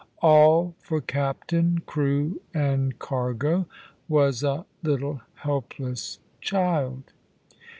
All for captain, crew, and cargo, was a little helpless child.